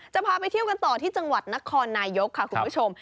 พาไปเที่ยวกันต่อที่จังหวัดนครนายกค่ะคุณผู้ชม